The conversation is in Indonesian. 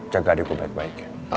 jaga adik gue baik baik ya